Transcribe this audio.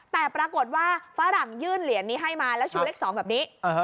แต่ปรากฏว่าฝรั่งยื่นเหรียญนี้ให้มาแล้วชูเลข๒แบบนี้